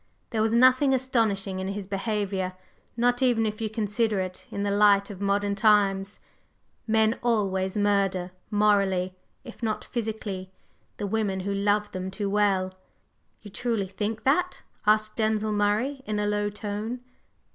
There was nothing astonishing in his behavior, not even if you consider it in the light of modern times. Men always murder morally, if not physically the women who love them too well." "You truly think that?" asked Denzil Murray in a low tone.